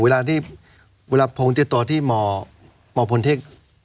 เวลาพงศ์ติดต่อที่หมอพลทิพย์